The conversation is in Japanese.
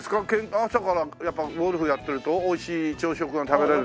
朝からやっぱゴルフやってるとおいしい朝食が食べられる？